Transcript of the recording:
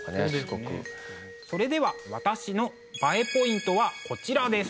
それでは私のＢＡＥポイントはこちらです。